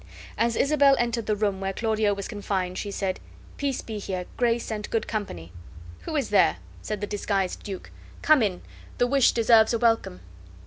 As Isabel entered the room where Claudio was confined, she said, "Peace be here, grace, and good company!" "Who is there?" said the disguised duke. "Come in; the wish deserves a welcome."